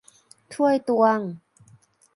ถ้วยตวง